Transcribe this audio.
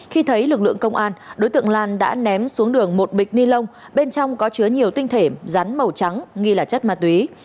khi thấy lực lượng công an đối tượng lan đã ném xuống đường một bịch ni lông bên trong có chứa nhiều tinh thể rắn màu trắng nghi là chất ma túy